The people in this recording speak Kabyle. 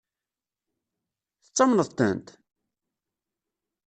Tettamneḍ-tent?